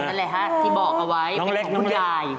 นั่นแหละฮะที่บอกเอาไว้เป็นของคุณยาย